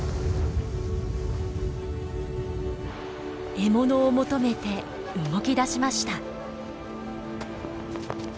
獲物を求めて動き出しました。